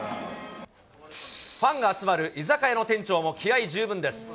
ファンが集まる居酒屋の店長も気合い十分です。